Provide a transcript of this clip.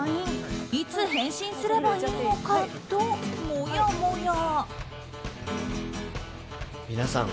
いつ返信すればいいのかともやもや。